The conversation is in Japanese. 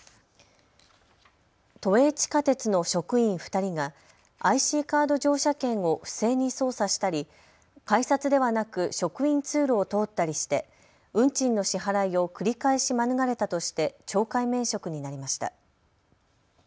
都営地下鉄の職員２人がＩＣカード乗車券を不正に操作したり改札ではなく職員通路を通ったりして運賃の支払いを繰り返し免れたとして懲戒免職になりました。